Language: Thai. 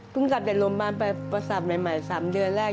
กลับจากโรงพยาบาลไปประสาทใหม่๓เดือนแรก